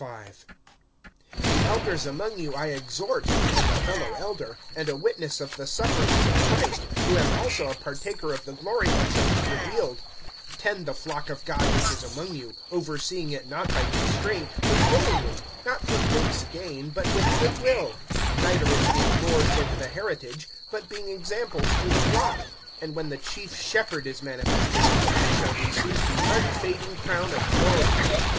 V. THE elders among you I exhort, who am a fellow elder, and a witness of the sufferings of Christ, who am also a partaker of the glory that shall be revealed; (2)tend the flock of God which is among you, overseeing it not by constraint but willingly, not for base gain but with good will; (3)neither as being lords over the heritage, but being examples to the flock. (4)And when the chief Shepherd is manifested, ye shall receive the unfading crown of glory.